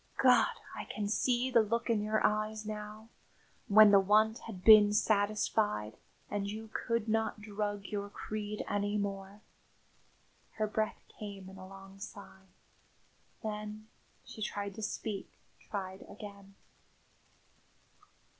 God! I can see the look in your eyes now, when the want had been satisfied, and you could not drug your creed any more." Her breath came in a long sigh. Then she tried to speak; tried again.